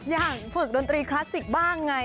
ฝึกดนตรีคลาสสิกบ้างไง